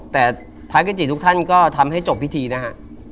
แต่พระเกจิทุกท่านก็ทำให้จบพิธีนะฮะ